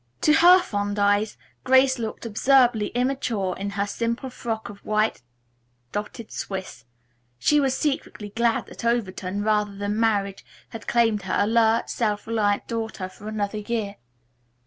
To her fond eyes Grace looked absurdly immature in her simple frock of white dotted swiss. She was secretly glad that Overton, rather than marriage, had claimed her alert, self reliant daughter for another year.